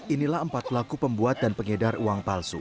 inilah empat pelaku pembuat dan pengedar uang palsu